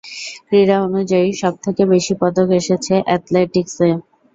ক্রীড়া-অনুযায়ী, সবথেকে বেশি পদক এসেছে অ্যাথলেটিক্স-এ।